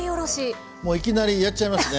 もういきなりやっちゃいますね。